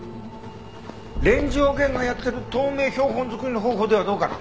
連城源がやってる透明標本作りの方法ではどうかな？